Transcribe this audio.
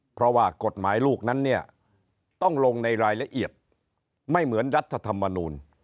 เพราะว่ากฎหมายลูกนั้นเนี่ยต้องลงในรายละเอียดไม่เหมือนรัฐธรรมนูล